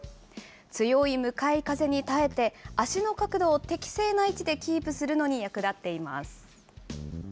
強い向かい風に耐えて、足の角度を適正な位置でキープするのに役立っています。